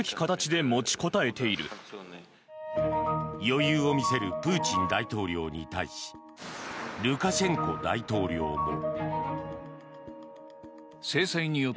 余裕を見せるプーチン大統領に対しルカシェンコ大統領も。